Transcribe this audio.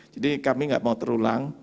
jadi kami enggak mau terulang